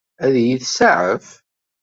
Ad iyi-tsaɛef?